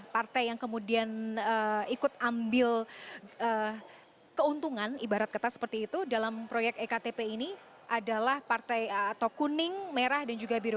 partai yang kemudian ikut ambil keuntungan ibarat kertas seperti itu dalam proyek ektp ini adalah partai atau kuning merah dan juga biru